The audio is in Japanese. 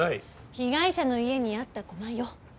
被害者の家にあった駒よ。